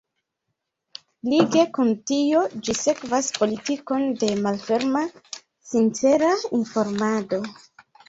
Lige kun tio ĝi sekvas politikon de malferma, „sincera“ informado.